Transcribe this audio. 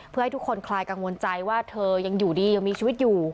เพื่อให้ทุกคนคลายกังวลใจว่าเธอยังอยู่ดียังมีชีวิตอยู่